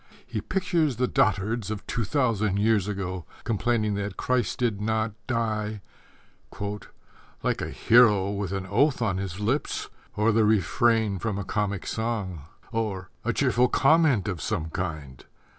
He pictures the dotards of two thousand years ago complaining that Christ did not die Like a hero With an oath on his lips, Or the refrain from a comic song Or a cheerful comment of some kind.